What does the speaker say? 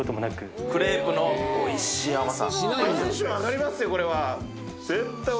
クレープのおいしい甘さ。